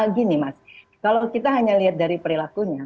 gini mas kalau kita hanya lihat dari perilakunya